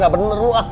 gak bener lu ah